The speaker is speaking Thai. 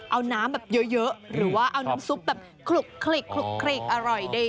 เอาน้ำแบบเยอะหรือว่าเอาน้ำซุปแบบคลุกอร่อยดี